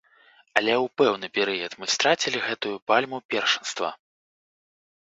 Але ў пэўны перыяд мы страцілі гэтую пальму першынства.